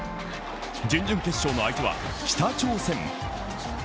準々決勝の相手は北朝鮮。